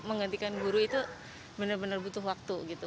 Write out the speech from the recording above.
menggantikan guru itu benar benar butuh waktu gitu